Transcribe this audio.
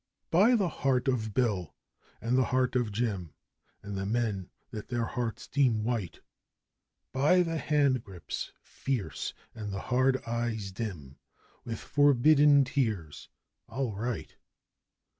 'By the heart of "Bill" and the heart of "Jim," and the men that their hearts deem "white," 'By the handgrips fierce, and the hard eyes dim with forbidden tears! I'll write!